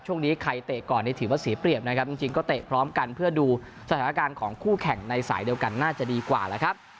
ช่วงนี้ใครเตะก่อนนี่ถือว่าเสียเปรียบนะครับจริงก็เตะพร้อมกันเพื่อดูสถานการณ์ของคู่แข่งในสายเดียวกันน่าจะดีกว่าแล้วครับ